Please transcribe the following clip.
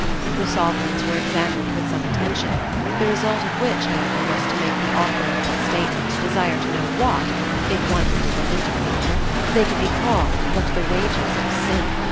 The sovereigns were examined with some attention, the result of which, however, was to make the author of that statement desire to know what, if one really went into the matter, they could be called but the wages of sin.